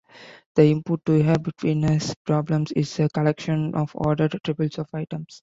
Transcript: The input to a betweenness problem is a collection of ordered triples of items.